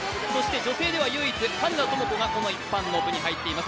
女性では唯一、金田朋子がこの一般の部に入っています。